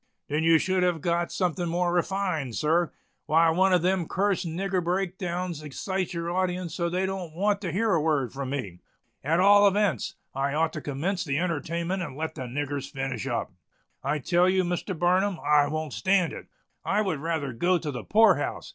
"Then you should have got something more refined, sir. Why, one of those cursed nigger break downs excites your audience so they don't want to hear a word from me. At all events, I ought to commence the entertainment and let the niggers finish up. I tell you, Mr. Barnum, I won't stand it! I would rather go to the poor house.